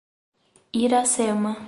Iracema